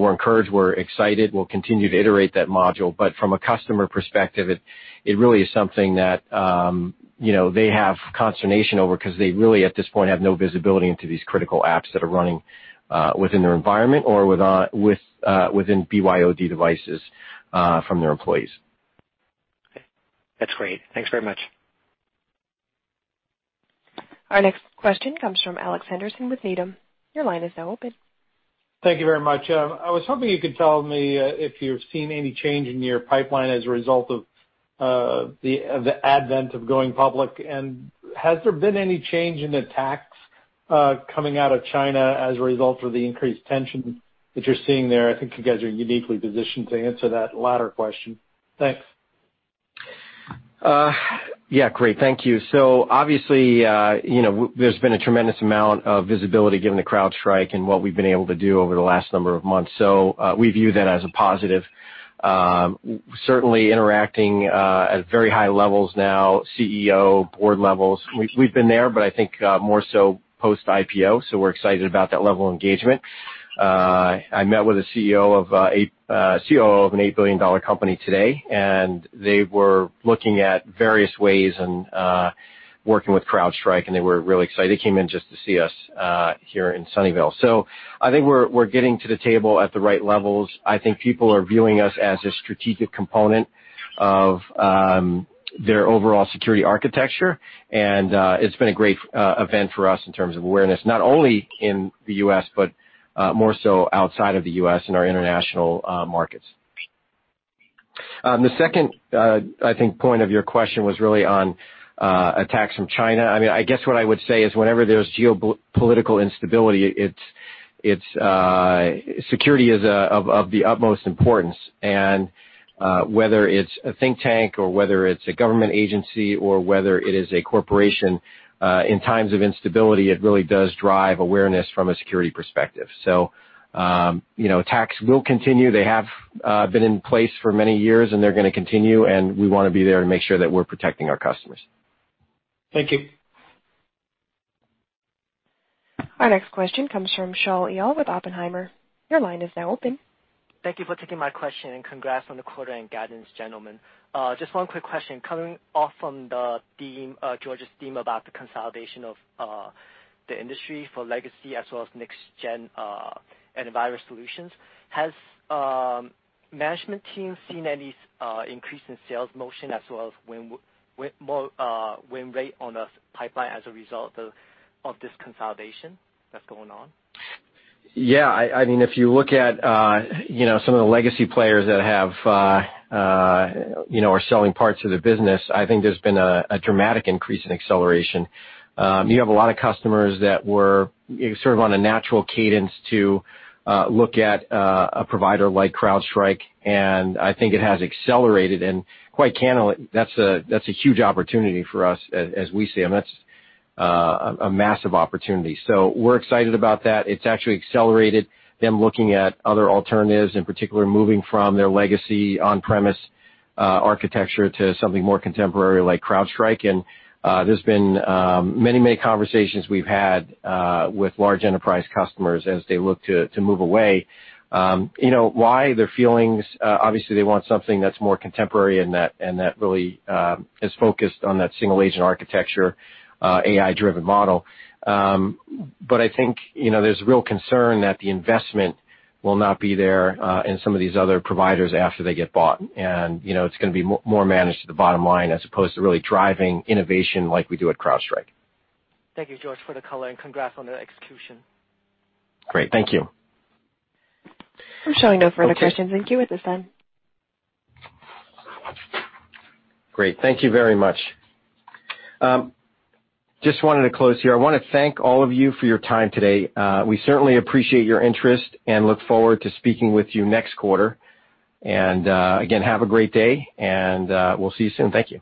we're encouraged, we're excited. We'll continue to iterate that module, but from a customer perspective, it really is something that they have consternation over because they really, at this point, have no visibility into these critical apps that are running within their environment or within BYOD devices from their employees. That's great. Thanks very much. Our next question comes from Alex Henderson with Needham. Your line is now open. Thank you very much. I was hoping you could tell me if you've seen any change in your pipeline as a result of the advent of going public. Has there been any change in attacks coming out of China as a result of the increased tension that you're seeing there? I think you guys are uniquely positioned to answer that latter question. Thanks. Yeah, great. Thank you. Obviously, there's been a tremendous amount of visibility given the CrowdStrike and what we've been able to do over the last number of months. We view that as a positive. Certainly interacting at very high levels now, CEO, board levels. We've been there. I think more so post IPO, we're excited about that level of engagement. I met with a CEO of an $8 billion company today. They were looking at various ways and working with CrowdStrike. They were really excited. They came in just to see us here in Sunnyvale. I think we're getting to the table at the right levels. I think people are viewing us as a strategic component of their overall security architecture, and it's been a great event for us in terms of awareness, not only in the U.S., but more so outside of the U.S. in our international markets. The second I think point of your question was really on attacks from China. I guess what I would say is whenever there's geopolitical instability, security is of the utmost importance. Whether it's a think tank or whether it's a government agency or whether it is a corporation, in times of instability, it really does drive awareness from a security perspective. Attacks will continue. They have been in place for many years, and they're going to continue, and we want to be there to make sure that we're protecting our customers. Thank you. Our next question comes from Shaul Eyal with Oppenheimer. Your line is now open. Thank you for taking my question, and congrats on the quarter and guidance, gentlemen. Just one quick question. Coming off from George's theme about the consolidation of the industry for legacy as well as next-gen antivirus solutions, has management team seen any increase in sales motion as well as win rate on the pipeline as a result of this consolidation that's going on? Yeah. If you look at some of the legacy players that are selling parts of the business, I think there's been a dramatic increase in acceleration. You have a lot of customers that were sort of on a natural cadence to look at a provider like CrowdStrike, and I think it has accelerated, and quite candidly, that's a huge opportunity for us as we see them. That's a massive opportunity. We're excited about that. It's actually accelerated them looking at other alternatives, in particular moving from their legacy on-premise architecture to something more contemporary like CrowdStrike. There's been many conversations we've had with large enterprise customers as they look to move away. Why they're feelings, obviously they want something that's more contemporary and that really is focused on that single agent architecture AI-driven model. I think there's real concern that the investment will not be there in some of these other providers after they get bought. It's going to be more managed to the bottom line as opposed to really driving innovation like we do at CrowdStrike. Thank you, George, for the color. Congrats on the execution. Great. Thank you. We're showing no further questions in queue at this time. Great. Thank you very much. Just wanted to close here. I want to thank all of you for your time today. We certainly appreciate your interest and look forward to speaking with you next quarter. Again, have a great day, and we'll see you soon. Thank you.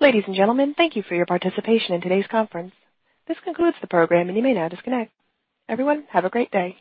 Ladies and gentlemen, thank you for your participation in today's conference. This concludes the program, and you may now disconnect. Everyone, have a great day.